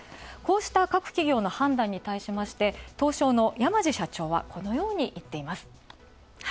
こうした各企業の判断に対して、東証の山道社長はこのように言っています。